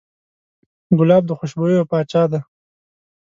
ګلاب د خوشبویو پاچا دی.